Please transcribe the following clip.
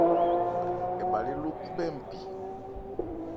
Ɛ bha lê ló khúbhɛ́ npi.